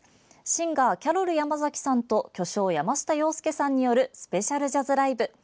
シンガー・キャロル山崎さんと巨匠・山下洋輔さんによるスペシャルジャズライブ。